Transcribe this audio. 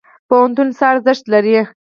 پوهنتون څه ارزښت لري؟